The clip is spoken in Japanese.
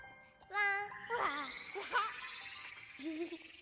「わ！」